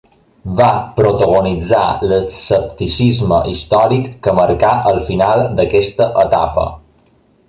Va protagonitzar l'escepticisme històric que marcà el final d'aquesta etapa.